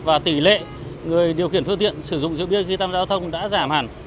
và tỷ lệ người điều khiển phương tiện sử dụng rượu bia khi tham gia giao thông đã giảm hẳn